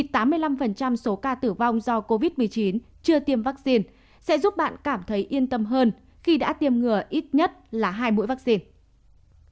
thì tám mươi năm số ca tử vong do covid một mươi chín chưa tiêm vaccine sẽ giúp bạn cảm thấy yên tâm hơn khi đã tiêm ngừa ít nhất là hai mũi vaccine